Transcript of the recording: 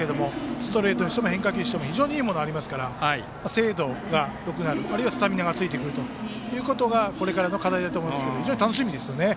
ストレートにしても変化球にしても非常にいいものがありますから精度がよくなるあるいはスタミナがついてくるということがこれからの課題だと思いますが非常に楽しみですよね。